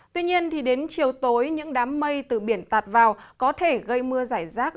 tuy nhiên đến chiều tối những đám mây từ biển tạt vào có thể gây mưa giải rác